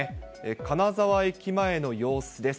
金沢駅前の様子です。